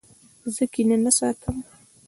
زه کینه نه ساتم.